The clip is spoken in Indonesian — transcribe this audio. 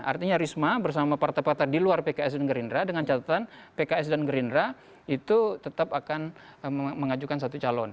artinya risma bersama partai partai di luar pks dan gerindra dengan catatan pks dan gerindra itu tetap akan mengajukan satu calon